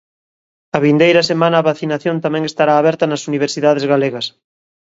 A vindeira semana a vacinación tamén estará aberta nas universidades galegas.